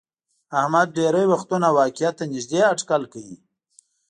احمد ډېری وختونه واقعیت ته نیږدې هټکل کوي.